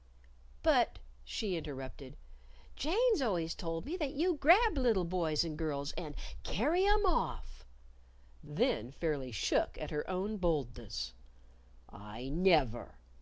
_ "But," she interrupted, "Jane's always told me that you grab little boys and girls and carry 'em off." Then, fairly shook at her own boldness. "I never!"